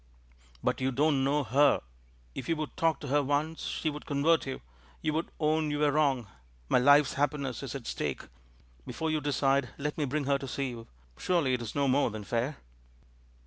"But you don't know her. If you would talk to her once, she would convert you; you would own you were wrong. My life's happiness is at stake. Before you decide, let me bring her to see you. Surely it is no more than fair?"